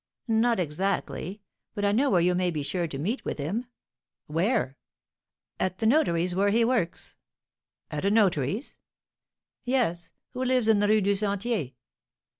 "Not exactly, but I know where you may be sure to meet with him." "Where?" "At the notary's where he works." "At a notary's?" "Yes, who lives in the Rue du Sentier."